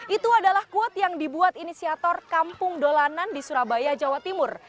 itu adalah quote yang dibuat inisiator kampung dolanan di surabaya jawa timur